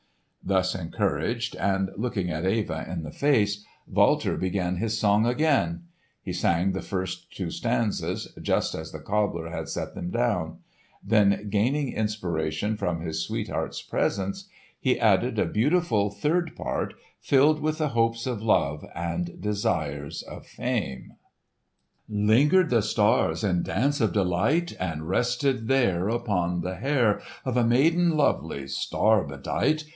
Thus encouraged and looking Eva in the face Walter began his song again. He sang the first two stanzas just as the cobbler had set them down; then gaining inspiration from his sweetheart's presence he added a beautiful third part filled with the hopes of love and desires of fame:— "Lingered the stars in dance of delight And rested there Upon the hair Of a maiden lovely, star bedight!